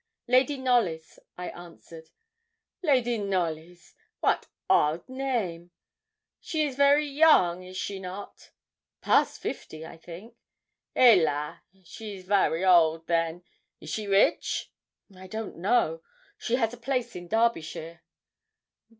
'Lady Knollys,' I answered. 'Lady Knollys wat odd name! She is very young is she not?' 'Past fifty, I think.' 'Hélas! She's vary old, then. Is she rich?' 'I don't know. She has a place in Derbyshire.'